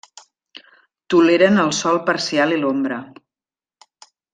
Toleren el sol parcial i l'ombra.